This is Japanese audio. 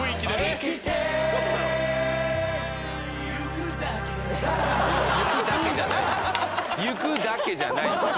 「いくだけ」じゃない。